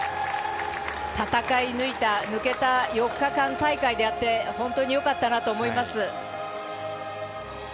戦い抜けた４日間大会で本当に良かったなと思います。